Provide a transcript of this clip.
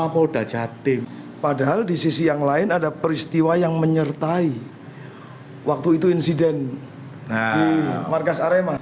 padahal di sisi yang lain ada peristiwa yang menyertai waktu itu insiden di markas arema